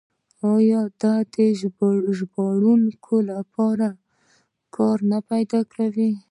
آیا دا د ژباړونکو لپاره کار نه پیدا کوي؟